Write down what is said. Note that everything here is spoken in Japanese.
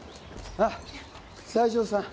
あっ西条さん